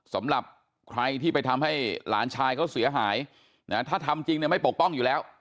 สำหรับใครที่ไปทำให้หลานชายเขาเสียหายนะถ้าทำจริงเนี่ยไม่ปกป้องอยู่แล้ว